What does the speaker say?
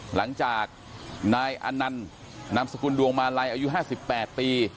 หลังจากนายอนันต์นามสกุลดวงมาลัยอายุ๕๘ปี